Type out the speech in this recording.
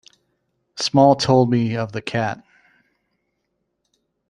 Small told me of the cat.